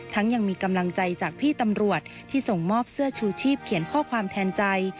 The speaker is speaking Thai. ยังมีกำลังใจจากพี่ตำรวจที่ส่งมอบเสื้อชูชีพเขียนข้อความแทนใจ